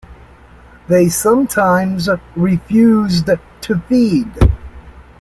They sometimes refused to feed.